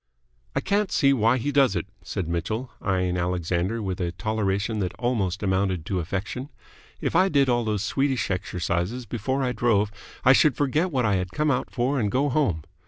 "I can't see why he does it," said Mitchell, eyeing Alexander with a toleration that almost amounted to affection. "If I did all those Swedish exercises before I drove, I should forget what I had come out for and go home."